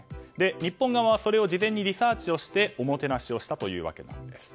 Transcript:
日本側はそれを事前にリサーチしておもてなしをしたというわけです。